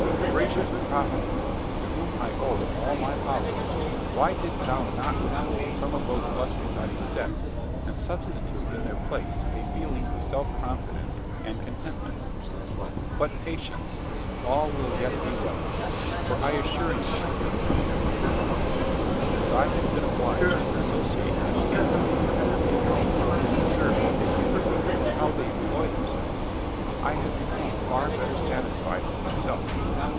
Gracious Providence, to whom I owe all my powers, why didst thou not withhold some of those blessings I possess, and substitute in their place a feeling of self confidence and contentment? But patience! all will yet be well; for I assure you, my dear friend, you were right: since I have been obliged to associate continually with other people, and observe what they do, and how they employ themselves, I have become far better satisfied with myself.